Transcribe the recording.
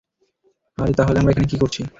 আরে তাহলে আমরা এখানে কি করছি?